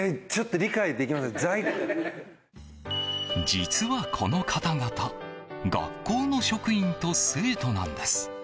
実は、この方々学校の職員と生徒なんです。